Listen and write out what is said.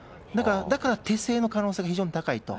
だから、手製の可能性が非常に高いと。